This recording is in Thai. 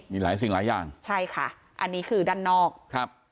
มีหลายสิ่งหลายอย่างใช่ค่ะอันนี้คือด้านนอกครับ